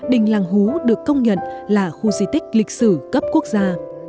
đình làng hú được công nhận là khu di tích lịch sử cấp quốc gia